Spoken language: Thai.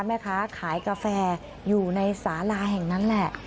แม่ค้าขายกาแฟอยู่ในสาลาแห่งนั้นแหละ